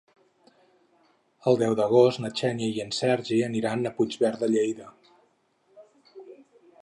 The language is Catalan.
El deu d'agost na Xènia i en Sergi aniran a Puigverd de Lleida.